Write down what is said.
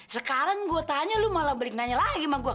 sekarang gue tanya lo malah balik nanya lagi mah